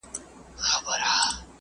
املا د غږونو په دقیق توپیر کي مرسته کوي.